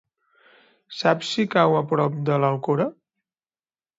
Saps si cau a prop de l'Alcora?